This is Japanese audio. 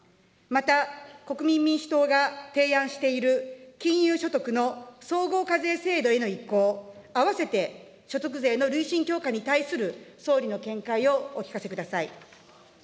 また、国民民主党が提案している、金融所得の総合課税制度への移行、併せて所得税の累進強化に対する総理の見解をお聞かせください。